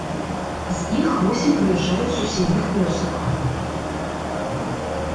З іх восем прыязджаюць з суседніх вёсак.